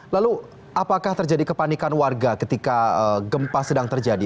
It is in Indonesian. lalu apakah terjadi kepanikan warga ketika gempa sedang terjadi